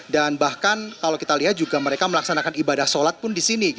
dan bahkan kalau kita lihat juga mereka melaksanakan ibadah sholat pun di sini